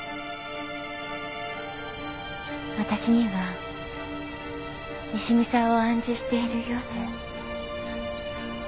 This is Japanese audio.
私には西見さんを暗示しているようで。